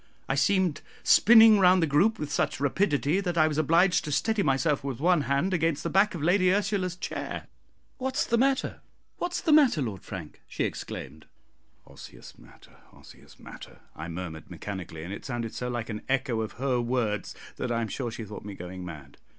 I seemed spinning round the group with such rapidity that I was obliged to steady myself with one hand against the back of Lady Ursula's chair. "What's the matter? what's the matter, Lord Frank?" she exclaimed. "Osseous matter, osseous matter," I murmured mechanically, and it sounded so like an echo of her words that I am sure she thought me going mad.